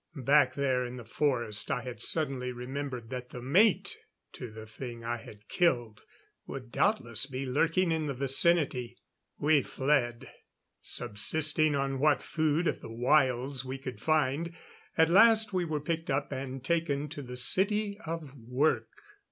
Back there in the forest I had suddenly remembered that the mate to the thing I had killed would doubtless be lurking in the vicinity. We fled. Subsisting on what food of the wilds we could find, at last we were picked up and taken to the City of Work.